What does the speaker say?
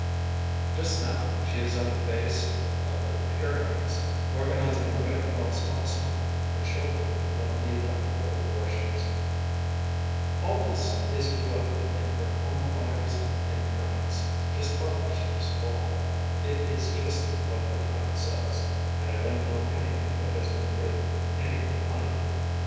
Just now she is at the base of the Pyrenees, organizing a Red Cross hospital for chil dren from the evacuated portions. "All this is reflected, or I should say the result of her experiences is reflected in her Home Fires in France, just published this fall. It is just what the title says, and I don't know anything that has been written anything like it.